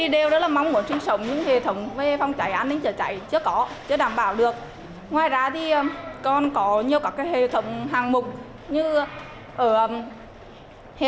đó là như vậy thật dương ngay